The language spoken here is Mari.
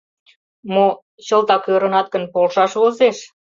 Мо, чылтак ӧрынат гын, полшаш возеш.